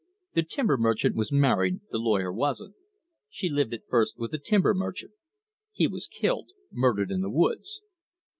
The timber merchant was married; the lawyer wasn't. She lived at first with the timber merchant. He was killed murdered in the woods."